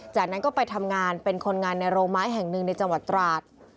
จากนั้นก็ไปทำงานเป็นคนงานในโรงไม้แห่งหนึ่งในจังหวัดตราด